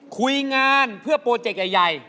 คุยงานเพื่อโปรเจกต์ใหญ่